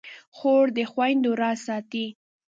خور د خویندو راز ساتي.